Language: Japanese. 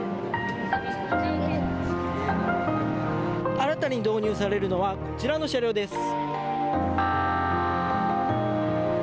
新たに導入されるのはこちらの車両です。